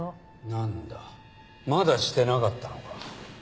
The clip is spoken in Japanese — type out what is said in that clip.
なんだまだしてなかったのか。